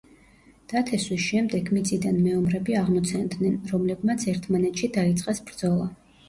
დათესვის შემდეგ მიწიდან მეომრები აღმოცენდნენ, რომლებმაც ერთმანეთში დაიწყეს ბრძოლა.